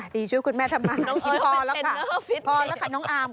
ดีช่วยคุณแม่ทำงาน